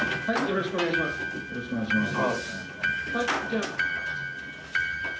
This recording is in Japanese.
よろしくお願いします。